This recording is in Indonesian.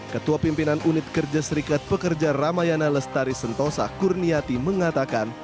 ketua pimpinan unit kerja serikat pekerja ramayana lestari sentosa kurniati mengatakan